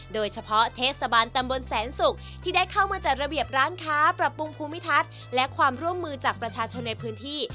โดยเฉพาะเทศบาลตำบลแสนศุกร์ที่ได้เข้ามาจัดระเบียบร้านค้าปรับปรุงภูมิทัศน์และความร่วมมือจากประชาชนในพื้นที่